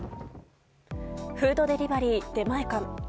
フードデリバリー出前館。